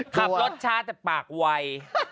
ขับรถช้าแต่ปากไว